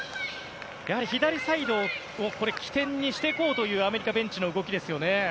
やはり左サイドを起点にしていこうというアメリカベンチの動きですよね。